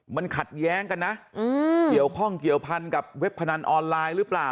มันขัดแย้งกันนะเกี่ยวข้องเกี่ยวพันกับเว็บพนันออนไลน์หรือเปล่า